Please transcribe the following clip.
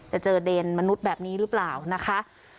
จะเจอเดนมนุษย์แบบนี้หรือเปล่านะคะ